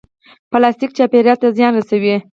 پلاستیک چاپیریال ته څه زیان رسوي؟